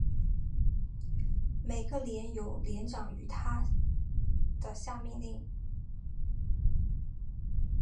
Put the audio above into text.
每个连由连长与他的下命令。